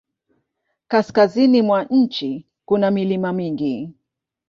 Kaskazini mwa nchi kuna milima mingi.